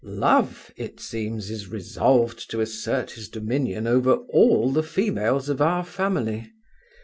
Love, it seems, is resolved to assert his dominion over all the females of our family.